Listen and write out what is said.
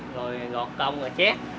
rồi gọt công rồi chép